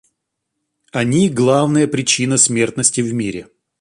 Они главная причина смертности в мире.